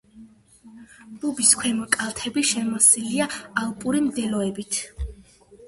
ბუბის ქვემო კალთები შემოსილია ალპური მდელოებით.